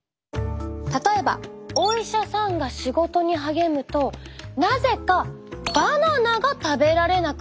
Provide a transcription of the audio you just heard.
例えばお医者さんが仕事に励むとなぜかバナナが食べられなくなる。